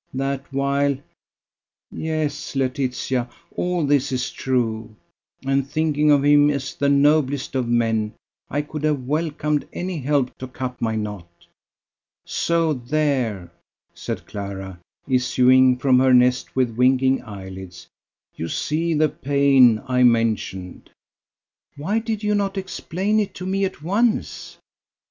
that while ... yes, Laetitia, all this is true: and thinking of him as the noblest of men, I could have welcomed any help to cut my knot. So there," said Clara, issuing from her nest with winking eyelids, "you see the pain I mentioned." "Why did you not explain it to me at once?"